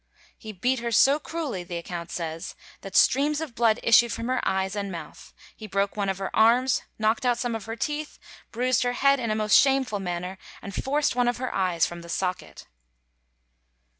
"He beat her so cruelly," the account says, "that streams of blood issued from her eyes and mouth; he broke one of her arms, knocked out some of her teeth, bruised her head in a most shameful manner, and forced one of her eyes from the socket."